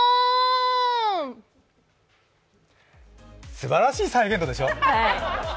すばらしい再現度でしょ。